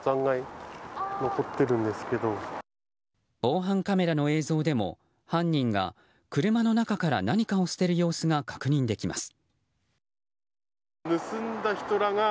防犯カメラの映像でも、犯人が車の中から何かを捨てる様子が確認できます。